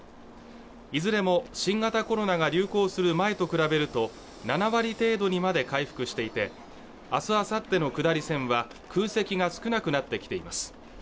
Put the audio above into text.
いずれも新型コロナが流行する前と比べると７割程度にまで回復していて明日あさっての下り線は空席が少なくなってきています